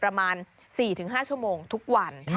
ประมาณ๔๕ชั่วโมงทุกวัน